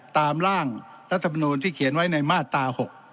ตามร่างรัฐมนูลที่เขียนไว้ในมาตรา๖